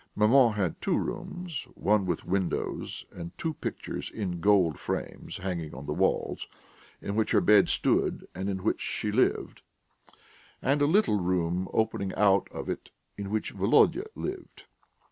Maman had two rooms, one with windows and two pictures in gold frames hanging on the walls, in which her bed stood and in which she lived, and a little dark room opening out of it in which Volodya lived.